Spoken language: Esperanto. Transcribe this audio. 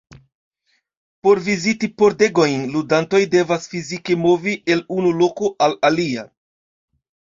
Por viziti pordegojn, ludantoj devas fizike movi el unu loko al alia.